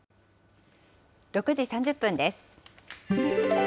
６時３０分です。